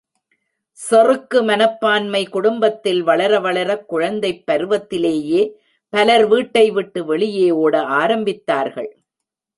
செறுக்கு மனப்பான்மை குடும்பத்தில் வளர வளர குழந்தை பருவத்திலேயே பலர் வீட்டைவிட்டு வெளியே ஓட ஆரம்பித்தார்கள்.